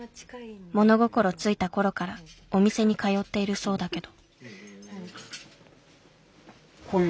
物心付いた頃からお店に通っているそうだけど。